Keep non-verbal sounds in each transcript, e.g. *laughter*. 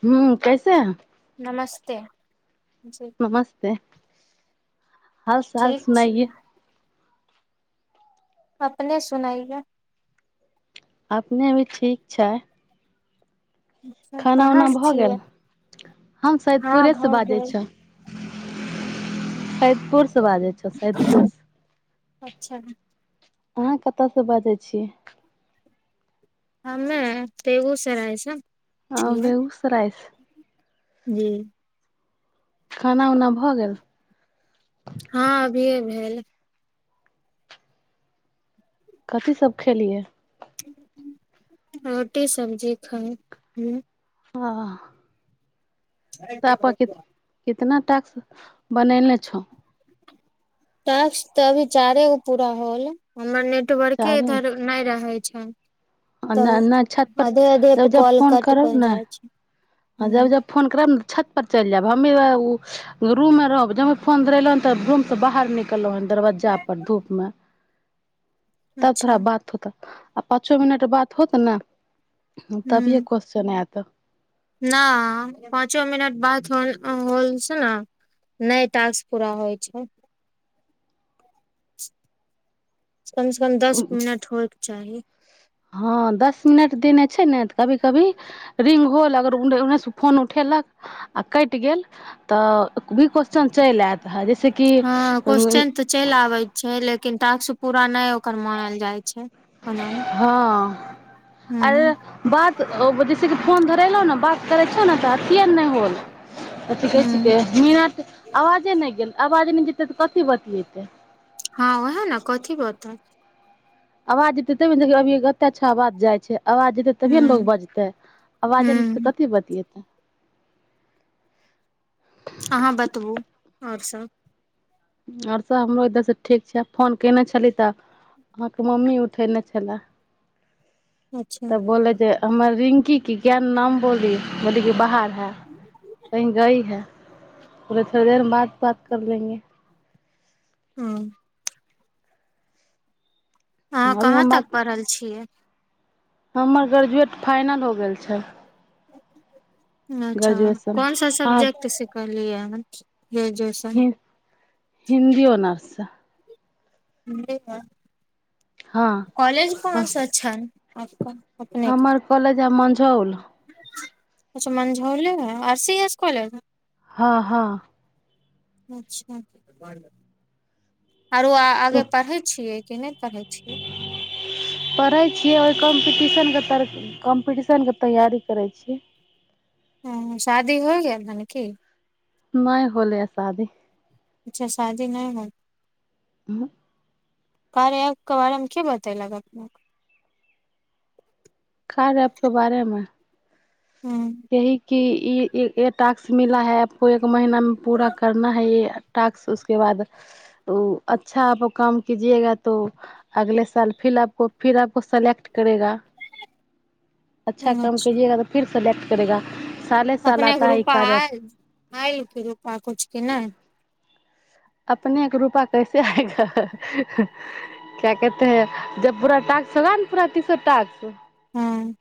ह्म कैसेहै। नमस्ते। जी नमस्ते। हाल चाल ठीक छी सुनहियए। अपने सुनाइयए। अपने अ भी ठीक छै। खाना उना कहाँ से भऽ गेल छियै हम हँ सैदपुरेसँ भऽ बाजै गेल छय। *unintelligible* पुर से बाजै छौ सैदपुर। अच्छा अहाँ कतयसँ बाजै छीै हमे बगूसरय छै आ बेगूसराय जी खाना उना भऽ गेल ह कथीसभ खेलियै रोटी सब्जी खाउ ह आ नहि कतना टास्क बनेने छौ टास्क तऽ अभी चारेगो पूरा होल हमर ने र के इधर नहि रहइ छै अच्छा नहि छत पर आधे तब पे जब कॉल फोन कट करब कर ने जाइ छै हँ जब हूँ जब फोन करब ने छत पर चलि जायब हमे ओ रूम मे रहब ज फोन धेलो ते रूम से बाहर निकलो ह दरबज्जापर धूपमे तब अच्छा थोड़ा बात होता आ पाँचो मिनट बात होत ने तभिये क्वेस््चन आत कुत्त नहि पाँचो मिनट बाद हो होल छै ने नहि टास्क पूरा होइ छै कम से कम दस मिनट होयके चाही हँ दस मिनट देने छै ने तऽ कभी कभी रिङ्ग होल अगरने ओन्नेसे फोन उठेलक आओर कटि गेल तऽ भी क्वेश्चन चलि आयत है जैस किी हँ ताक पूरा न ओकर मानल जाय छै ओना हूँ हँ अर हूँ बात जैस कि फोन धे लहु ने बस छ त अथ होलथ कह छिक मिन आवे नहि वाज नहि जेतै तऽ कथी बतिियेतै हँ ओह ने कथी बता आवाज एते तब ने देख अभी कते अच्छा आवाज जाइ छै आवाज जेतै तभियए ने लोकोग हूँ बजतै आवाजे एतै तऽ हूँ कथी बतिएतै अहाँ बतबू आओर सभ आओर सभ हमरो इधरसँ ठीक छै फोन कयने छली तऽ अहाँके मम्मी उठयने छलय अच्छा तऽ बोल जे हमर रिंग *unintelligible* *unintelligible* ओथ देर *unintelligible* हँ हह अभी कहाँ हम तक बात पढ़ल छियै हमर ग्रेजुएट फाइनल हो गेल छै अच्छा ग्रेजुएशन कोन सा अहाँ सब्जेक्ट सिखल ल लियै म ग्रेजुएशन हिन्दी ओनर्स ह हँ कॉलेज कोन स छन आजप हमर कॉलेज आ मझौल अच्छा मंझौ लेव है आर सी एस कॉलेज है हँ हँ अच्छा आरो तऽ आगे पढ़े छियै के नहि पढ़ै छियै पढ़ै छियै ओहि कम्पीटिशनके तर कम्पीटिशनके तैयारी करै छीियै ह शादी हो गेल मन की नहि होलैय शादी अच्छा शादी नहि हो ह कार्यऻ क बारेमे क बता लाग अपने क रहपके बारेमे हँ यी क ई ट्स मिला है आपको एक एक महीनामे पूरा करना है य *unintelligible* अच्छा काम केगा त फर सल करा अपनेके रुपा आयल- आयल क रुपा किछु कि नहि। *unintelligible* हँ।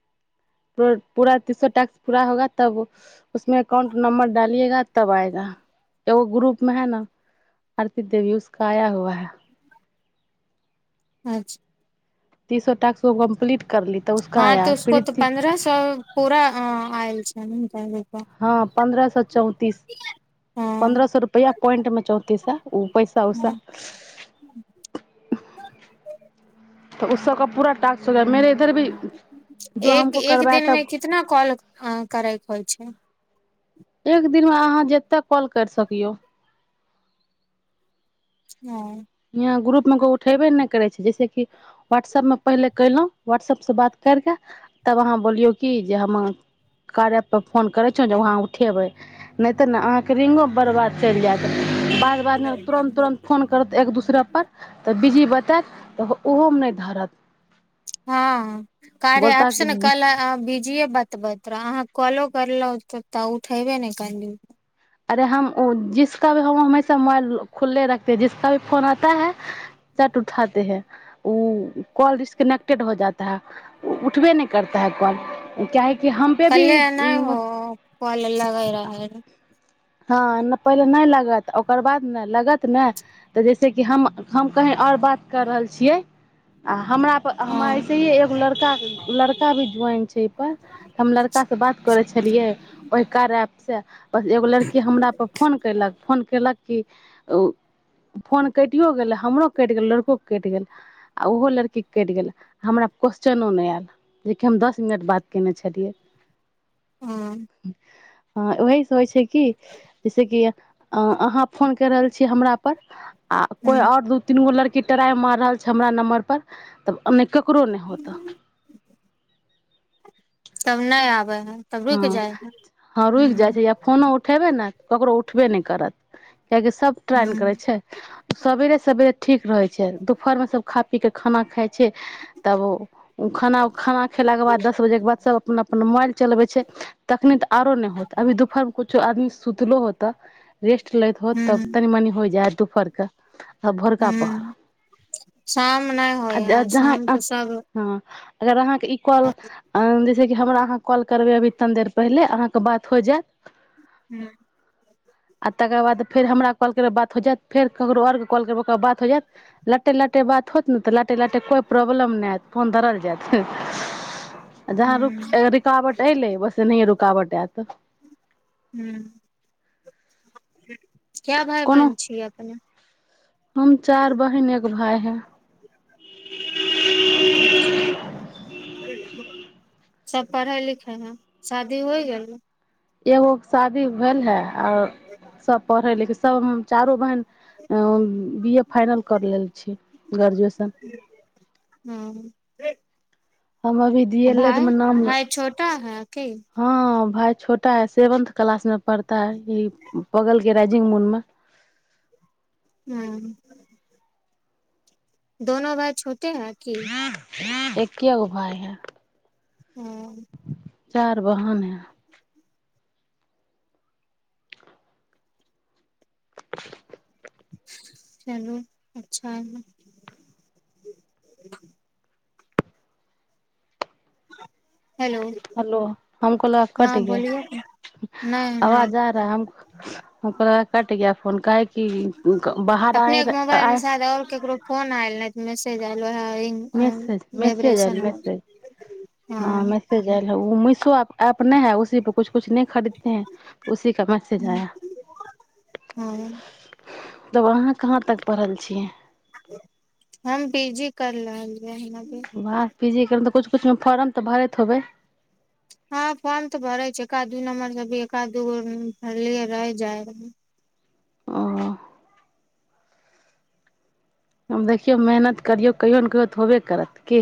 *unintelligible* अचछा तीस स ास् कम्प्ली हँ तऽ उसको तऽ पन्द्रह सए पूरा अ आल छै ने त हँ पन्द्रह सए चौंतीस हँ पन्द्रह सए रुपआ पोइंट मे चौंतीस ह ओ पैसा हँ उसा। *unintelligible* इधर भी जो एक हमको एक करबाय दिनमे तब कितना कॉल करैके होइ छै। एक दिनमे अहाँ जतेक कॉल करि सकियौ हँ। यहाँ ग्रुपमे को उठेबे नहि करै छै जैसेि की व्हाट्सऐपमे पहिले कलहुँ वाट्सऐप से बात कर क तब अहाँ बोलियौ कि जे हम कारप परर फोन करै छ जे वहाँ उठेबै नहिऽ। तऽ ने अहाँके रिङ्गो बरबाद चलि जायत बाद बादमे तुरन्त तुरन्त फोन करत दूसरा पर तऽ बता तऽ ओहो मे नहि धरत हँ। कार्या अपस ने बोलता कल बीजी य बात ब तो अहाँ कॉलो करलहु त तऽ उठेबे ने कल अरे हम ओ जिसका भी *unintelligible* कले नहि भी हो कल लगै रह है हँ नहि पहिले नहि लागत ओकर बाद ने लागत ने तऽ जैसे कि हम हम कहीँ आओर बात कर रहल छियै आ हमरा पर हम हँ ऐसेहिए एगो लड़का- लड़का भी ज्वाइन छै एहिपर तऽ हम लड़कासँ बात करै छलिै ओहि कारैपसँ बस एगो लड़क। कि हमरापर फोन कयलक फोन कयलक। कि ओ फोन कटिओ गेलै हमरो कटि गेल लड़कोके कटि गेल आ ओहो लड़कीके कटि गेल हमरा क्वेश्चनो नहि आयल जेकि हम दस मिनट बात कयने छलियै। *inaudible* हँ हँ ओह स होइ छै कि जैसेकि अहाँ फोन कर रहल छियै हमराप। आ कोइ ह आओर दू तीन गो लड़क कटराई मार रहल छै हमरा नम्बर पर तबने। ककरो नहि होतऽ तब नहि आबे है। तब रुक हँ जाइ है हँ रुकि जाइ ह छै आा फोनो उठेबै ने ककरो उठबे नहि करत किआाकि सब ट्राइ ने हूँ करै छै सवेरे सबवेरे ठीक रहै छै दुपहर मे सब खा। पी कऽ खाना खाइ छै तब ओ खाना खाना खेलाके बाद दस बजेके बाद सब अपना अपन मोबइल चलबै छै तखने तऽ आरो नहि होत अभी दुपहर मे कुछो आदमी सुतलो होत रेस्ट लैत होत तब हूँ तनी मनि हो जायत दुूपरके त भोरका पहर हूँ शाम नहि होइ आ है जाँ शाम हँ के सब अगर अहाँ एक्वअल अ जैसे हमरा कल करबै अभी तनी देर पहिले अहाँके बात हो जायत हू आ तकर बाद फेर हमरा कॉल कर बात हो जायत फेर ककरो आओर कॉल करबकर बात हो जायत लटे लटे बात होत नहि त ले लाटे कोइ प्रॉ् प्रॉब्लम नहि ह फोन धरल जायत हू रुकवट अलै बस नहि रुकावटे त *unintelligible* क्या भााय बहिन छीियै अपने हम चार बहिन एक भाय है चछा सभ पढ़ै लिखै हइ शादी होइ गेलै एगो शादी भेल हे आओर सपरल कि सब हम चारो बहिन बी ए फाइनल करि लेल छी ग्रेजुएशन र हम अभी दल मे नाम भाय छोटा है की हँ भाय छोटा है सेवन्थ क्लास मे पढ़त त ई बगल गेल राजजी मुर्म हँ दोनो भाइ छोट सुतले हे कि एकेगो भाय है हँ चार बहन हे *unintelligible* चलू अच्छा हे ह हलो हमको लगा हँ कट ग बोलियौ नय नय आवाज आ रहा है कट गया‌ फोन काहे‌‌ कि क बाहर आए अपने के मोबाइल मे आए शायद और केकरो फोन आएल नहि तऽ मे मैसज आयलो हे मेसेज मेसेज आयल मेसेज हँ मेसेज आयल‌ हे उ मिस सप अपने है उसी पर कुछ कुछ नहि खरीदते है उसी का मैसज आया है हँ तऽ वहाँ कहाँ तक पढ़ल छियै हम बिजी कर रहल बड़‌ बीजी तऽ कुछ कुछ मे फॉर्म तऽ भरैत होबै हँ फोर्म तऽ भरै छै एकादू नम्बर ज भी एक दू गो भरलि रहि जाय रहै ओ हम देखियौ मेहनत करियौ कहियो ने कहियो तऽ होबे करत की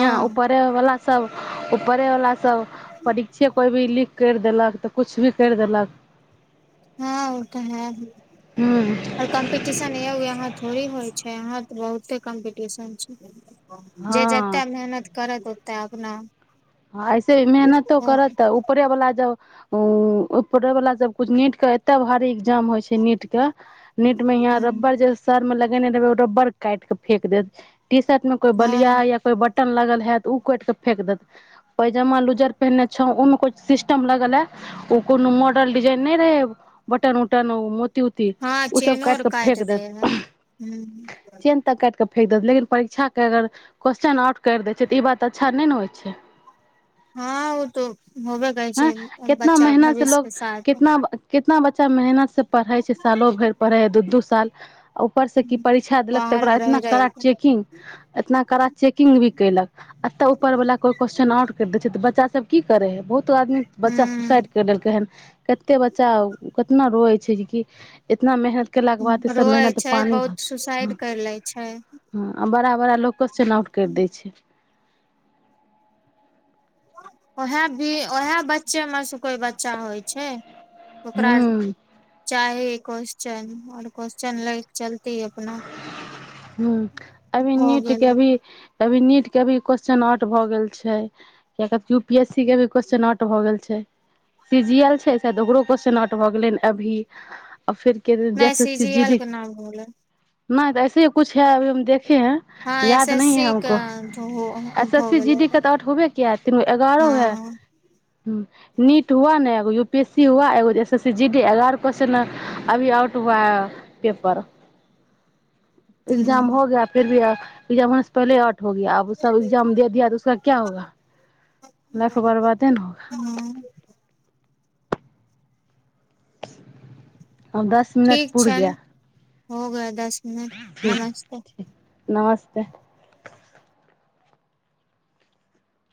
याँ उपरे वला सब ऊपरेवला सब परीक्षा कोई भी लिख करि देलक तऽ किछु भी करि देलक हँ ओ तऽ है हूँ आऔर कम्पटिशन यए यह थोड़ी होय यहा तऽ बहुते कम्पीटिशन छै जे हँ जते मेहनत करत ओ तैं अपना ऐसे भी मेहनतो हो करत ऊपरे वला जब उ उपरे वाला सब कुछ नीट के एते भारी ए्जाम होय छै नीट के नीट में यहा ह रब्बर जे सर मे लग देबै ओ रबर काट क फेक देत ट शर्टं कोई बलिया हँ या कोई ब कट लागल हए तऽ ओ कट के फेक देत पैजामा लुजर पहिनने छौ उमें कुछ सिस्टम लगल हे कोनो मॉडल डिजाइन नहि रहे बटन उटन उती हँ ओ सब काइट चेनोर के काट फेेक दे देत ह फेक देतै लेकिन परीक्षाके अगर क्वेश्चन आउट करि दै छै त ई बात अच्छा नहि ने होइ छै। हँ ओ तो होबे करै हँ छै कितना बच्चा भविष्य के साथ। इत बच्चा मेहनत पढ़े छै सालो भरि पढ़े हे दू दू साल आ ऊपर से की परीक्षा देलक तऽ बाहर ओकरा मे इतना रहि रहि कड़ा चेकिंग इतना कड़ा चेकिंग भी कलक एतऽ ऊपर बला की करे है बहुत आदमी बच्चा सुसाइड ह कर देलकै हन कते बच्चा कतना रोै छै जेकि। इतना मेहनत। केलाके बाद ई सब रोए मेहनत छै पानी भर बहुत सुसाइड करि लै छै ह बड़ा बड़ा लोकके चनाउट करि दै छै ओएह भी ओएह बच्चे मे से कोइ बच्चा होइ छै। मकर हूँ चाहे क्वश्चन आओर क्वस््चन लैक ह अभी हो नीटके गेलै अभी तऽ अभी नीट के भी क्वेशस्चन आउट भऽ गेल छै यू पी एस सी के भी क्वेशस्चन आउट भऽ गेल छै सीजी एल छैाय ओकरो क्वेशन आट भ गेल अभी आ फेर क नहि जैसे सी जी सज एल के नाम होलै नहि तऽ ऐसेी कु है अभ हम देख है हँ एस याद एस नही है सी के हमको हो अस हो अस्सी जी गेलै डी रह के त आउट होबे किया है तीनगो औरे है। हँ ह नीट हुआ न यू पी एस सी हुआ गो एस एसी जी डी एगारह क अभी आउट हुआ ह पेपर। एग्जाम ह हो गया फिर भी। *unintelligible* होग आब सब एग्जाम दे दिय तऽ उसक क्य होगा लफ बर्बादे ने होगा हँ दस मिनट ठीक पूरगया। छनि हो गया दस। ह नमस्ते त।